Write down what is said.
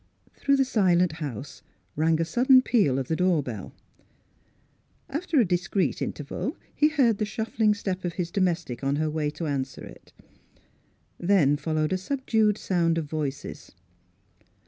Through the silent house rang a sudden peal of the door bell. After a discreet interval he heard the shuffling step of his domestic on her way to answer it. Then Mzss Fhilura's Wedding Gown followed a subdued sound of voices.